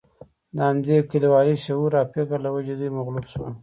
د همدې کلیوالي شعور او فکر له وجې دوی مغلوب شول.